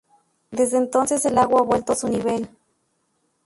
Desde entonces el lago ha vuelto a su nivel.